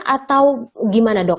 atau gimana dok